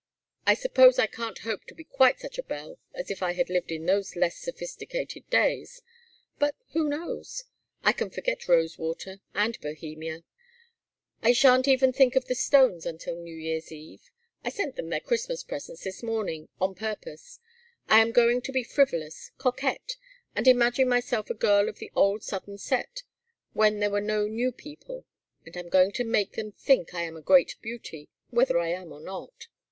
I suppose I can't hope to be quite such a belle as if I had lived in those less sophisticated days, but who knows? And I can forget Rosewater and Bohemia; I sha'n't even think of the Stones until New Year's eve; I sent them their Christmas presents this morning, on purpose. I am going to be frivolous, coquette, and imagine myself a girl of the old Southern Set, when there were no new people. And I'm going to make them think I am a great beauty, whether I am or not.